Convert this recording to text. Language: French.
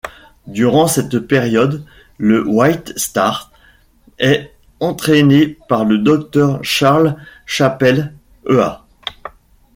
Durant cette période, le White Star est entraîné par le Docteur Charles Chapelle, e.a.